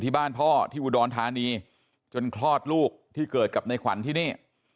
พ่อที่อุดรธานีจนคลอดลูกที่เกิดกับในขวัญที่นี่